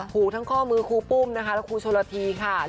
ผูกทั้งข้อมือครูปุ้มและครูชนธีค่ะ